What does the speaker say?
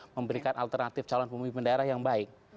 memberikan alternatif calon pemimpin daerah yang baik